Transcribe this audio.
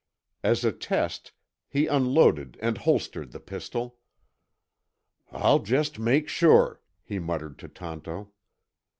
As a test he unloaded and holstered the pistol. "I'll just make sure," he muttered to Tonto.